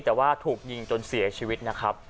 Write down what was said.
แต่ว่าถูกยิงจนเสียชีวิตนะครับ